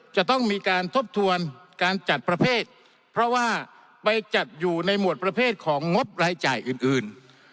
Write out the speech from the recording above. จะต้องมีการทบทวนการจัดประเภทเพราะว่าไปจัดอยู่ในหมวดประเภทของงบรายจ่ายอื่นอื่น